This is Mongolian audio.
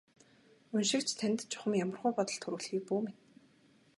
Уншигч танд чухам ямархуу бодол төрүүлэхийг бүү мэд.